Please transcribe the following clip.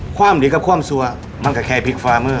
ความดีกับความสัวมันก็แค่พลิกฝ่ามือ